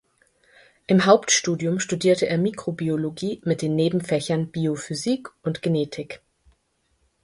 Im Hauptstudium studierte er Mikrobiologie mit den Nebenfächern Biophysik und Genetik.